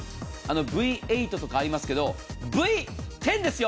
Ｖ８とかありますけどＶ１０ですよ。